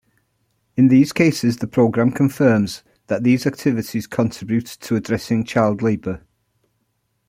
In these cases the programme confirms that these activities contribute to addressing child labour.